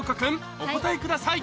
お答えください